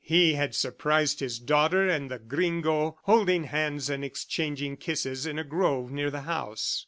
He had surprised his daughter and the Gringo holding hands and exchanging kisses in a grove near the house.